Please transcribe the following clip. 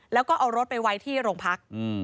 แล้วก็เอารถไปไว้ที่โรงพัก